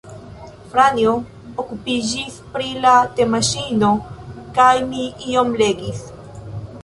Franjo okupiĝis pri la temaŝino, kaj mi iom legis.